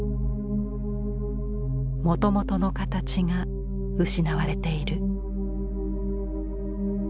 もともとの形が失われている。